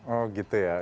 oh gitu ya